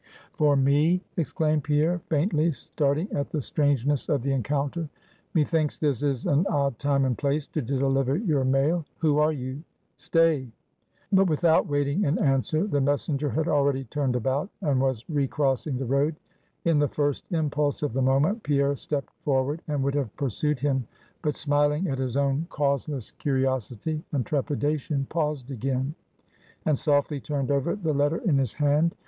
"For me!" exclaimed Pierre, faintly, starting at the strangeness of the encounter; "methinks this is an odd time and place to deliver your mail; who are you? Stay!" But without waiting an answer, the messenger had already turned about, and was re crossing the road. In the first impulse of the moment, Pierre stept forward, and would have pursued him; but smiling at his own causeless curiosity and trepidation, paused again; and softly turned over the letter in his hand.